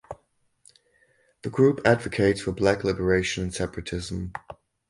The group advocates for black liberation and separatism.